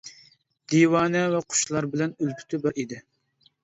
دىۋانە ۋە قۇشلار بىلەن ئۈلپىتى بار ئىدى.